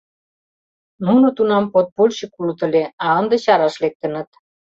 Нуно тунам подпольщик улыт ыле, а ынде чараш лектыныт.